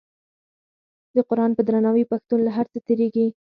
د قران په درناوي پښتون له هر څه تیریږي.